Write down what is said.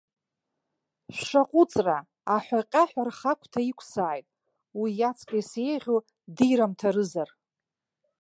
Шәшаҟәыҵра, аҳәаҟьаҳәа рхагәҭа иқәсааит, уи иаҵкыс еиӷьу дирымҭарызар!